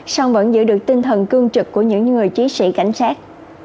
song vẫn giữ được tinh thần cương trực của những người chiến sĩ cảnh sát